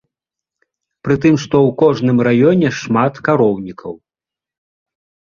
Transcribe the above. Пры тым, што ў кожным раёне шмат кароўнікаў.